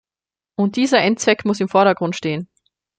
Und dieser Endzweck muss im Vordergrund stehen.